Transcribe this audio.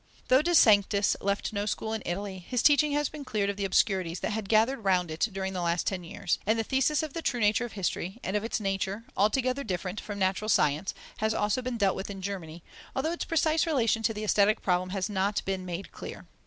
Though De Sanctis left no school in Italy, his teaching has been cleared of the obscurities that had gathered round it during the last ten years; and the thesis of the true nature of history, and of its nature, altogether different from natural science, has been also dealt with in Germany, although its precise relation to the aesthetic problem has not been made clear.